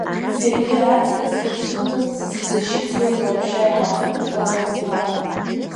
Зегь раҵкыс илцәымӷыз, дызҵашьыцуаз лаҳәшьа аиҳабы Бароу лакәын.